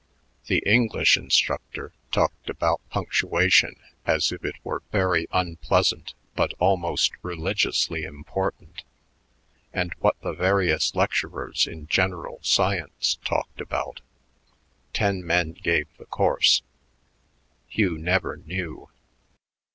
The English instructor talked about punctuation as if it were very unpleasant but almost religiously important; and what the various lecturers in general science talked about ten men gave the course Hugh never knew.